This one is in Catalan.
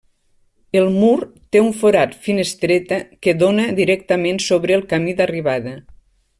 El mur té un forat -finestreta- que dóna directament sobre el camí d'arribada.